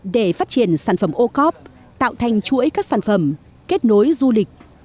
để phát triển sản phẩm ocov tạo thành chuỗi các sản phẩm kết nối du lịch